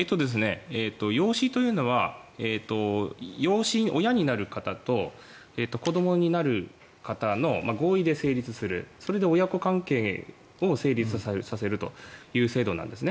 養子というのは親になる方と子どもになる方の合意で成立するそれで親子関係を成立させるという制度なんです。